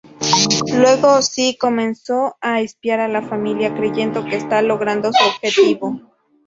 Luego Sy comienza a espiar a la familia creyendo que está logrando su objetivo.